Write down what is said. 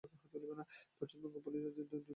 Paschimbanga police রাজ্যের দুটি সাধারণ পুলিশ জেলার একটি।